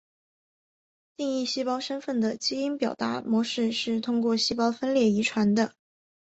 定义细胞身份的基因表达模式是通过细胞分裂遗传的。